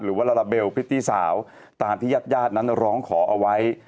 ว่าลาลาเบลพริตตี้สาวตามที่ญาติญาตินั้นร้องขอเอาไว้